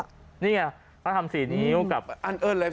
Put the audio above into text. คุณก็ทำเลข๔นิ้วกับ